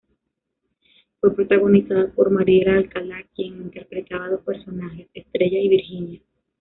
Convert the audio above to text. Fue protagonizada por Mariela Alcalá quien interpretaba dos personajes: Estrella y Virginia.